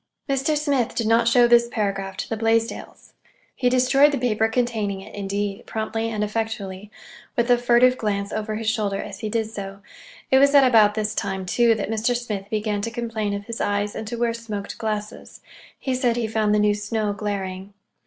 Mr. Smith did not show this paragraph to the Blaisdells. He destroyed the paper containing it, indeed, promptly and effectually—with a furtive glance over his shoulder as he did so. It was at about this time, too, that Mr. Smith began to complain of his eyes and to wear smoked glasses. He said he found the new snow glaring.